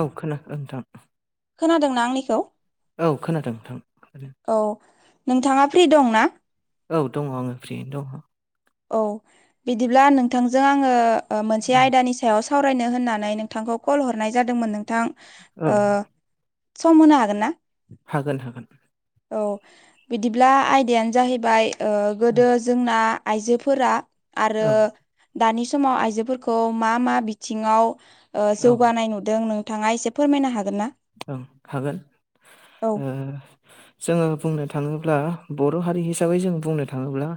औ खोनादों नोंथां खोनादों ना आंनिखौ औ खोनादों नोंथां खोनादों औ नोंथाङा फ्रि दं ना औ दङ आङो फ्रियैनो दङ औ बिदिब्ला नोंथांजों आङो मोनसे दङ आयदानि सा सायाव सावरायनो होननानै नोंथांखौ कल हरनाय जादोंमोन नोंथां औ सम होनो हागोन ना हागोन हागोन औ बिदिब्ला आयदायानो जाहैबाय औ गोदो जोंना आइजोफोरा आरो दानि समाव आइजोफोरखौ मा मा बिथिंङाव औ जौगानाय नुदों नोंथांङा एसे फोरमायनो हागोन ना ओं हागोन औ जोंङो बुंनो थांङोब्ला बर' हारि हिसाबै जों बुंनो थांङोब्ला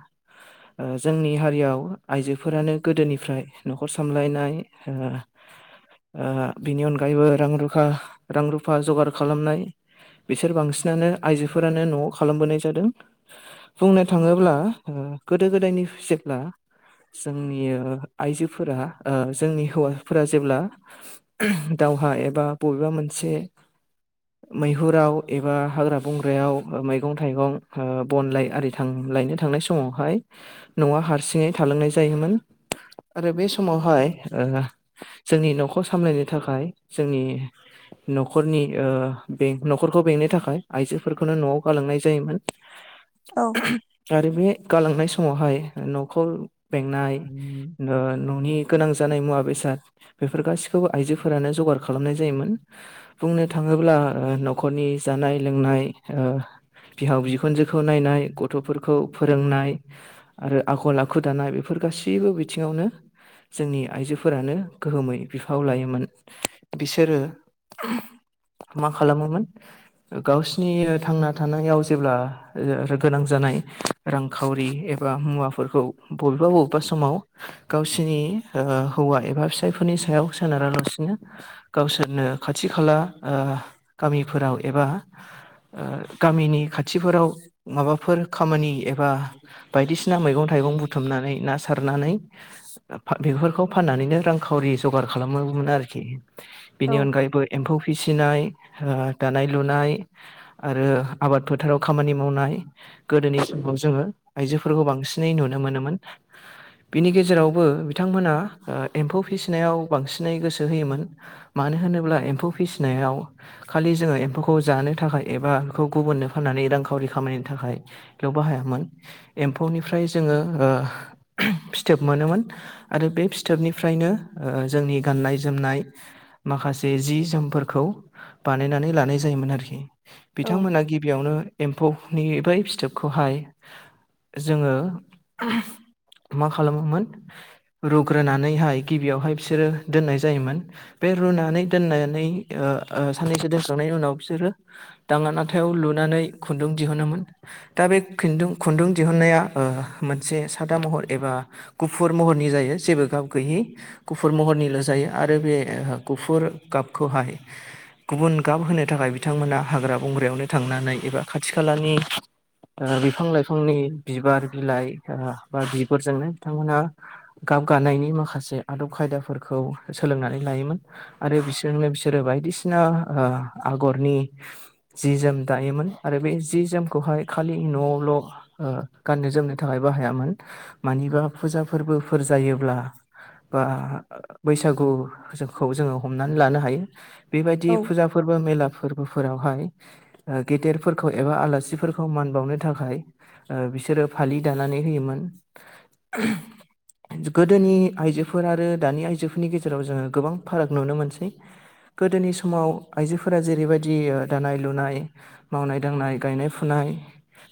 जोंनि हारियाव आइजोफोरानो गोदोनिफ्राय न'खर सामलायनाय बिनि अनगायैबो रां रुफा रां रुफा जगार खालामनाय बिसोर बांसिनानो आइजोफोरानो न'आव खालामबोनाय जादों बुंनो थांङोब्ला गोदो गोदायनि जेब्ला जोंनि आइजोफोरा जोंनि हौवाफोरा जेब्ला दावहा एबा बबेबा मोनसे मैहुराव एबा हाग्रा बंग्रायाव मैगं थाइगं बनलाय आरि थां लायनो थांनाय समावहाय न'आ हारसिंङै थालांनाय जायोमोन आरो बे समावहाय जोंनि न'खौ सामलायनो थाखाय जोंनि न'खरनि बे न'खरखौ बेंनो थाखाय आइजोफोरखौनो न'आव गालांनाय जायोमोन औ आरो बे गालांनाय समावहाय न'खौ बेंनाय न'नि गोनां जानाय मुवा बेसाद बेफोर गाैखौबो आइजोफोरानो जगार खालामनाय जायोमोन। बुंनो थांङोब्ला न'खरनि जानाय लोंनाय बिहाव बिखुनजोखौ नायनाय गथ'फोरखौ फोरोंनाय आरो आखल आखु दानाय बेफोर गासैबो बिथिंङावनो जोंनि आइजोफोरानो गोहोमै बिफाव लायोमोन बिसोरो मा खालामोमोन गावसिनि थांना थानायाव जेब्ला गोनां जानाय रांखावरि एबा मुवाफोरखौ बबेबा बबेबा समाव गावसोरनि ओ हौवा एबा फिसायफोरनि सायाव सोनारालासिनो गावसोरनो खाथि खाला गामिफोराव एबा गामिनि खाथिफोराव माबाफोर खामानि एबा बायदिसिना मैगं थाइगं बुथुमनानै सारनानै बेफोरखौ फाननानैनो रांखावरि जगार खालामोमोन आरोखि औ बेनि अनगायैबो एम्फौ फिसिनाय दानाय लुनाय आरो आबाद फोथाराव खामानि मावनाय गोदोनि समाव जोंङो आइजोफोरखौ बांसिनै नुनो मोनोमोन। बिनि गेजेरावबो बिथांमोना एम्फौ फिसिनायाव बांसिनै गोसो होयोमोन। मानो होनोब्ला एम्फौ फिसिनायाव खालि जोंङो एम्फौखौ जानो थाखाय एबा बेखौ गुबुननो फाननानै रांखावरि खामायनो थाखाय बेयाव बाहायामोन एम्फौनिफ्राय जोंङो फिथोब मोनोमोन। आरो बे फिथोबनिफ्रायनो जोंनि गाननाय जोमनाय माखासे जि जोमफोरखौ बानायनानै लानाय जायोमोन आरोखि औ बिथांमोना गिबियावनो एम्फौनि बै फिथोबखौहाय जोंङो मा खालामोमोन रुग्रोनानैहाय गिबियावहाय बिसोरो दोननाय जायोमोन बे रुनानै दोननानै साननैसो दोनखांनायनि उनाव बिसोरो दांङा नाथायाव लुनानै खुन्दुं दिहुनोमोन दा बे खिन्दुं खुन्दुं दिहुनन्नाया मोनसे सादा महर एबा गुफुर महरनि जायो जेबो गाब गैयि गुफुर महरनिल' जायो आरो बे गुफुर गाबखौहाय गुबुन गाब होनो थाखाय बिथांमोना हाग्रा बंग्रायावनो थांनानै एबा खाथि खालानि बिफां लाइफांनि बिबार बिलाइ बा बिबजोंनो बिथांमोनहा गाब गानायनि माखासे आदब खायदाफोरखौ सोलोंनानै लायोमोन। आरो बिसोरनो बिसोरो बायदिसिना ओ आगरनि जि जोम दायोमोन आरो बे जि जोमखौहाय खालि नआवल' ओ गाननो जोमनो थाखाय बाहायामोन मानिबा फुजा फोरबोफोर जायोब्ला बा बैसागुखौ जोङो हमनानै लानो हायो बेबायदि औ फुजा फोरबो मेला फोरबोफोरावहाय गेदेरफोरखौ एबा आलासिफोरखौ मान बावनो थाखाय ओ बिसोरो फालि दानानै होयोमोन। गोदोनि आइजोफोर आरो दानि आइजोफोरनि गेजेराव जोङो गोबां फाराग नुनो मोनसै गोदोनि समाव आइजोफोरा जेरैबायदि ओ दानाय लुनाय मावनाय दांनाय गायनाय फुनाय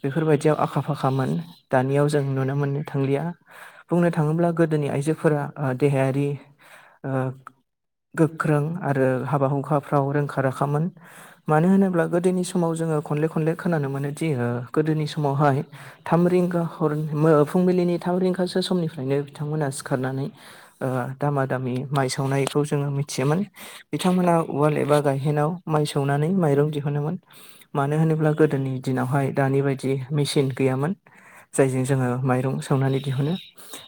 बेफोरबायदियाव आखा फाखामोन दानियाव जों नुनो मोननो थांलिया। बुंनो थाङोब्ला गोदोनि ओ आइजोफोरा देहायारि ओ गोख्रों आरो हाबा हुखाफ्राव रोंखा राखामोन। मानो होनोब्ला गोदोनि समाव जोङो खनले खनले खोनानो मोनोदि ओ गोदोनि समावहाय थाम रिंगा हर फुंबिलिनि थाम रिंगासो समनिफ्रायनो बिथांमोना सिखारनानै ओ दामा दामि माइ सौवनाय खौ जोङो मिथियोमोन बिथांमोनहा उवाल एबा गायहेनाव माइ सौनानै माइरं दिहुनोमोन। मानो होनोब्ला गोदोनि दिनावहाय दानि बायदि मेचिन गैयामोन। जायजों जोङो माइरं सोमनानै दिहुनो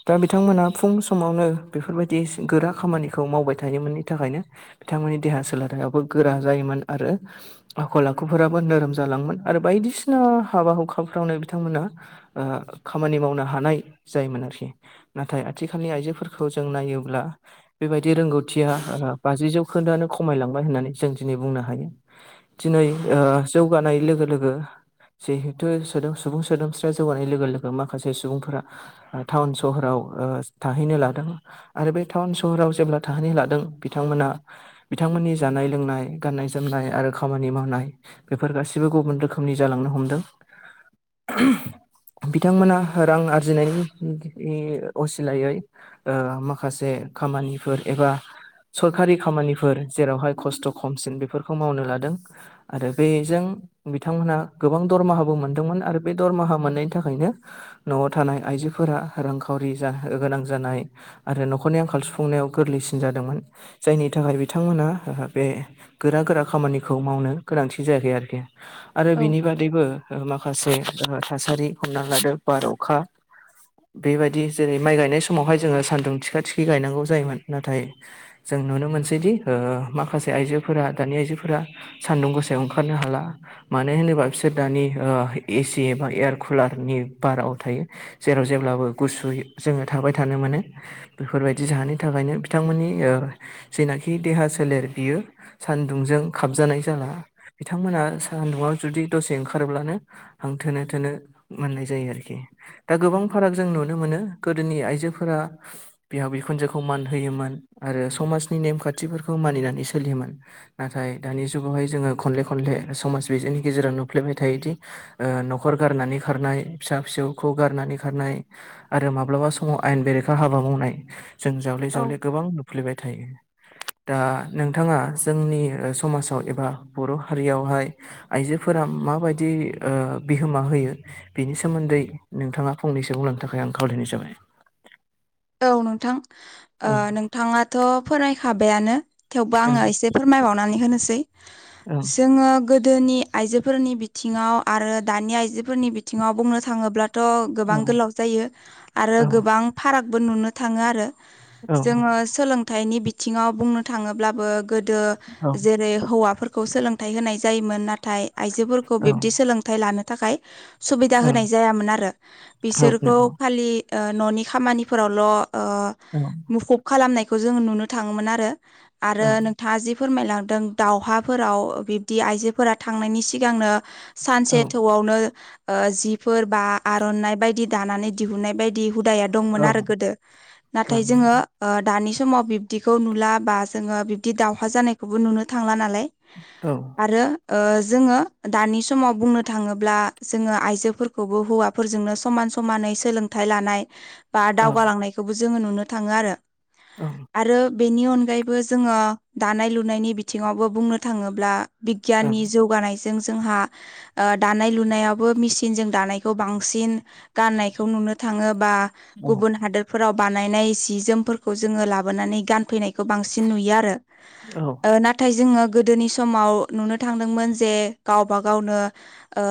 दा बिथांमोना फुं समावनो बेफोरबायदि गोरा खामानिखौ मावबाय थायोमोननि थाखायनो बिथांमोननि देहा सोलेरयाबो गोरा जायोमोन आरो आखल आखुफोराबो नोरोम जालांयोन आरो बायदिसिना हाबा हुखाफ्रावनो बिथांमोना ओ खामानि मावनो हानाय जायोमोन आरोखि नाथाय आथिखालनि आइजोफोरखौ जों नायोब्ला बेबायदि रोंगौथि थिया बाजि जौखोन्दोयानो खमायलांबाय होननानै जों दिनै बुंनो हायो दिनै ओ जौगानाय लोगो लोगो जिहेथु सोदोम सुबुं सोदोमस्रिया जौगानाय लोगो लोगो माखासे सुबुंफोरा टाउन सहराव थाहैनो लादों आरो बे टाउन सहराव जेब्ला थाहैनो लादों बिथांमोना बिथांमोननि जानाय लोंनाय गान्नाय जोमनाय आरो खामानि मावनाय बेफोर गासिबो गुबुन रोखोमनि जालांनो हमदों बिथांमोना रां आरजिनायनि असिलायै ओ माखासे खामानिफोर एबा सरखारि खामानिफोर जेरावहाय खस्थ' खमसिन बेफोरखौ मावनो लादों आरो बेजों बिथांमोनहा गोबां दरमाहाबो मोनदोंमोन आरो बे दरमाहा मोननायनि थाखायनो न'आव थानाय आइजोफोरा रांखावरि जा गोनां जानाय आरो न'खरनि आंखाल सुफुंनायाव गोरलैसिन जादोंमोन जायनि थाखाय बिथांमोना बे गोरा गोरा खामानिखौ मावनो गोनांथि जायाखै आरोखि आरो औ बिनि बादैबो माखासे थासारि हमना लादो बार अखा बेबायदि जेरै माइ गायनाय समावहाय जोङो सान्दुं थिखा थिखि गायनांगौ जायोमोन नाथाय जों नुनो मोनसैदि ओ माखासे आइजोफोरा दानि आइजोफोरा सान्दुं गोसायाव ओंखारनो हाला मानो होनोबा बिसोर दानि ओ एसि एबा एयारकुलारनि बाराव थायो जेराव जेब्लाबो गुसु जोङो थाबाय थानो मोनो बेफोरबायदि जाहोननि थाखायनो बिथांमोननि जेनाखि देहा सोलेर बियो सान्दुंजों खाबजानाय जाला बिथांमोना सान्दुंआव जुदि दसे ओंखारब्लानो आं थोनो थोनो मोननाय जायो आरोखि दा गोबां फाराग जों नुनो मोनो गोदोनि आइजोफोरा बिहाव बिखुनजोखौ मान होयोमोन आरो समाजनि नेमखान्थिफोरखौ मानिनानै सोलियोमोन। नाथाय दानि जुगावहाय जोङो खनले खनले समाज बिजोंनि गेजेराव नुफ्लेबाय थायोदि ओ नखर गारनानै खारनाय फिसा फिसौखौ गारनानै खारनाय आरो माब्लाबा समाव आयेन बेरेखा हाबा मावनाय जों जावले औ जावले गोबां नुफ्लेबाय थायो। दा नोंथाङा जोंनि समाजाव एबा बर' हारियावहाय आइजोफोरा माबायदि ओ बिहोमा होयो? बेनि सोमोन्दै नोंथाङा फंनैसो बुंलांनो थाखाय आं खावलायनाय जाबाय। औ नोंथां ओ औ नोंथाङाथ' फोरामायखाबायानो थेवबो औ आङो एसे फोरमायबावनानै होनोसै औ जोङो गोदोनि आइजोफोरनि बिथिङाव आरो दानि आइजोफोरनि बिथिङाव बुंनो थाङोब्ला थ' औ गोबां गोलाव जायो आरो औ गोबां फारागबो नुनो थाङो आरो। जोङो सोलोंथाइनि बिथिङाव बुंनो थाङोब्लाबो गोदो औ जेरै हौवाफोरखौ सोलोंथाइ होनाय जायोमोन नाथाय आइजोफोरखौ बिब्दि सोलों थाइ लानो थाखाय सुबिदा ओं होनाय जायामोन आरो औ बिसोरखौ नंगौ खालि ओ न'नि खामानिफोरावल' ओ औ मुखुब खालामनायखौ जोंङो नुनो थाङोमोन आरो औ आरो नोंथाङा जि फोरमायलांदों दावहाफोराव बिब्दि आइजोफोरा थांनायनि सिगांनो औ सानसे थौवावनो ओ जिफोर बा आर'नाय बायदि दानानै दिहुनाय बायदि हुदाया औ दंमोन आरो गोदो नाथाय जोङो ओ दानि समाव बिब्दिखौ नुला बा जोङो बिब्दि दावहा जानायखौबो नुनो थांला नालाय। औ आरो ओ जोङो दानि समाव बुंनो थाङोब्ला जोङो आइजोफोर खौबो हौवाफोरजोंनो समान समानै सोलोंथाइ लानाय बा दावगालांनायखोबो जोङो नुनो थाङो आरो औ आरो बेनि अनगायैबो जोङो दानाय लुनायनि बिथिङावबो बुंनो थाङोब्ला औ बिगियाननि जौगानायजों जोंहा ओ दानाय लुनायावबो मेचिनजों दानायखौ बांसिन गाननायखौ नुनो थाङो बा ओं गुबुन हादोरफोराव बानायनाय सि जोमफोरखौ जोङो लाबोनानै गानफैनाय खो बांसिन नुयो आरो औ ओ ना नाथाय जोङो गोदोनि समाव नुनो थांदोंमोन जे गावबा गावनो ओ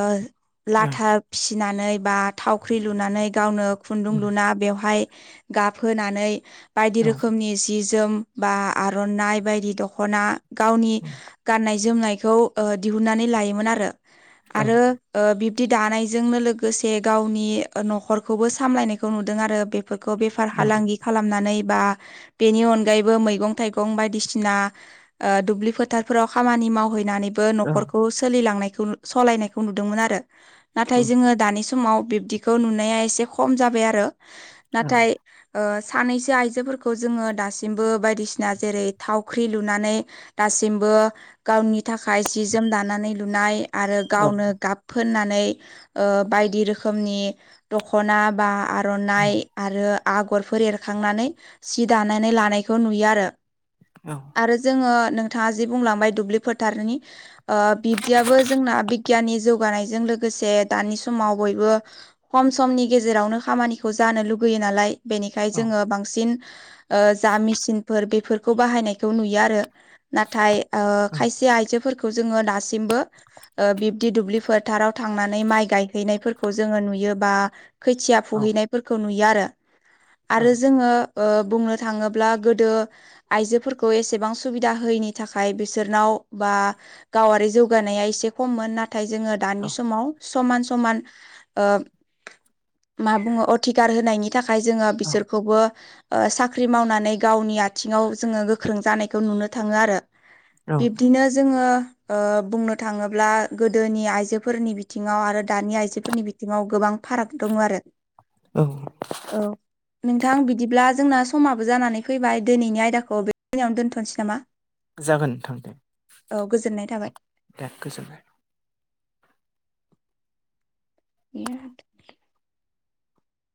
लाथा फिसिनानै बा थावख्रि लुनानै गावनो खुन्दुं लुना बेवहाय गाब होनानै बायदि ओं औ ओं रोखोमनि जि जोम बा आर'नाइ बायदि दखना गावनि गाननाय जोमनायखौ ओ दिहुननानै लायोमोन आरो आरो ओ बिब्दि दानायजोंनो लोगोसे गावनि नखरखौबो सामलायनायखौ नुदों आरो बे खो बेफार औ फालांगि खालामनानै बा बेनि अनगायैबो मैगं थाइगं बायदिसिना ओ दुब्लि फोथारफोराव खामानि मावहैनानै बो औ नखरखौ सोलिलांनायखौ सलायनायखौ नुदोंमोन आरो। नाथाय जोङो दानि समाव बिब्दिखौ नुनाया एसे खम जाबाय आरो नाथाय ओ सानैसो आइजोफोरखौ जोङो दासिमबो बायदिसिना जेरै थावख्रि लुनानै दासिमबो गावनि थाखाय जि जोम दानानै लुनाय आरो गावनो गाब फोननानै ओ बायदि रोखोमनि दखना बा आर'नाइ आरो आगरफोर एरखांनानै सि दानानै लानायखौ नुयो आरो। औ आरो जोङो नोंथाङा जि बुंलांबाय दुब्लि फोथारनि ओ बिब्दियाबो जोंना बिगियाननि जौगानायजों लोगोसे दानि समाव बयबो खम समनि गेजेरावनो खामानिखौ जानो लुबोयो नालाय बेनिखाय जोङो बांसिन ओ जा मेचिनफोर बेफोरखौ बाहायनायखौ नुयो आरो। नाथाय खायसे आइजोफोरखौ जोङो दासिमबो बिब्दि दुब्लि फोथाराव थांनानै माइ गायहैनायफोरखौ जोङो नुयोबा खोथिया फुहैनायफोरखौ नुयो आरो आरो जोङो ओ बुंनो थाङोब्ला गोदो आइजोफोरखौ एसेबां सुबिदा होयैनि थाखाय बिसोरनाव बा गावारि जौगानाया एसे खममोन नाथ थाय जोङो दानि समाव समान समान मा बुङो अधि- -खार होनायनि थाखाय जोङो औ बिसोरखौबो साख्रि मावनानै गावनि आथिङाव जोङो गोख्रों जानायखौ नुनो थाङो आरो औ औ बिदिनो जोङो बुंनो थाङोब्ला गोदोनि आइजोफोरनि बिथिङाव आरो दानि आइजोफोरनि बिथ थिंआव गोबां फाराग दङ' आरो औ औ नोंथां बिदिब्ला जोंना समाबो जानानै फैबाय दिनैनि आयदाखौ बे दिनो दोनथ'नोसै नामा [inaudible] जागोन नोंथां दे औ गोजोननाय थाबाय दे गोजोनबाय [unintelligible]